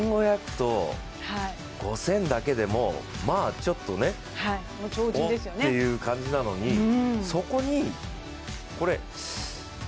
１５００と５０００だけでもまあちょっとね、おっ！という感じなのにそこに８００？